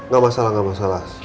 gak masalah gak masalah